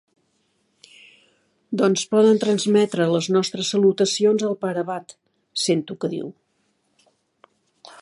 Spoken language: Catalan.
Doncs poden transmetre les nostres salutacions al pare abat —sento que diu—.